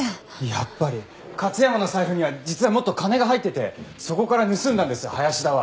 やっぱり勝山の財布には実はもっと金が入っててそこから盗んだんですよ林田は。